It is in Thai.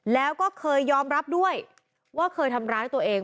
แล้วก็เคยยอมรับด้วยว่าเคยทำร้ายตัวเอง